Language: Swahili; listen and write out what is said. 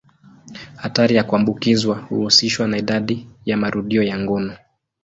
Hatari ya kuambukizwa huhusishwa na idadi ya marudio ya ngono.